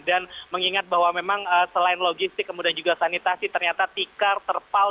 dan mengingat bahwa memang selain logistik kemudian juga sanitasi ternyata tikar terpal